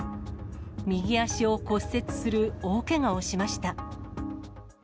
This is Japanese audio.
右足を骨折する大けがをしました。